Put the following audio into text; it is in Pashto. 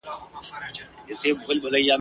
که وفا که یارانه ده په دې ښار کي بېګانه ده ..